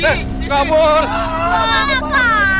taku sudut ikut pak